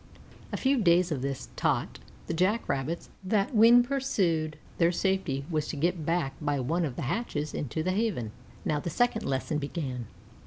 A few days of this taught the Jack rabbits that when pursued their safety was to get back by one of the hatches into the Haven. Now the second lesson began.